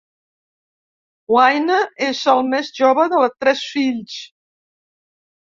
Wayne és el més jove de tres fills.